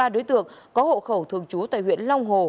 hai mươi ba đối tượng có hộ khẩu thường trú tại huyện long hồ